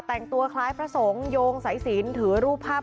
แต่งตัวคล้ายพระสงฆ์โยงสายสินถือรูปภาพ